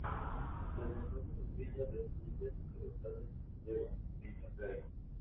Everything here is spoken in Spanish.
Desde entonces vivía en la Residencia Sacerdotal de San Esteban, en El Cairo.